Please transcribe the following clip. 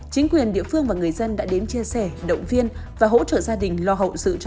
chính quyền địa phương và người dân đã đến chia sẻ động viên và hỗ trợ gia đình